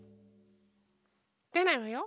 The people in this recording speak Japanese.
でないわよ。